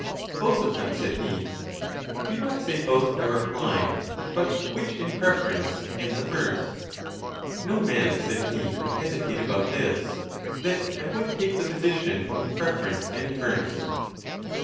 —Both of them, said he.—Do not say both, I replied; but which in preference, and the first >No man, said he, would hesitate about this, that (1 would take) the physician in preference and first.